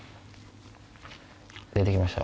出て来ました